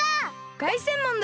がいせんもんだ！